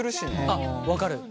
あっ分かる。